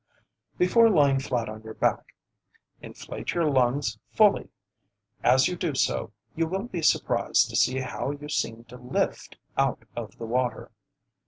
Before lying flat on your back, inflate your lungs fully; as you do so you will be surprised to see how you seem to lift out of the water.